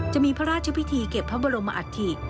จะมีพระราชพิธีเก็บพระบรมอัฐิ